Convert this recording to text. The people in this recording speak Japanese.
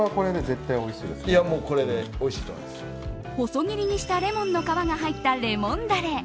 細切りにしたレモンの皮が入ったレモンダレ。